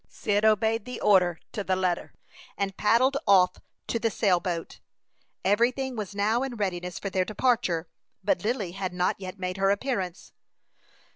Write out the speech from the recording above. Cyd obeyed the order to the letter, and paddled off to the sail boat. Every thing was now in readiness for their departure, but Lily had not yet made her appearance.